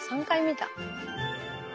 ３回見た。